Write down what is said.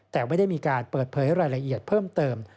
แต่ไม่ได้มีการเปิดเผยรายละเอียดเพิ่มเติม